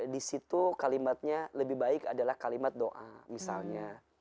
di situ kalimatnya lebih baik adalah kalimat doa misalnya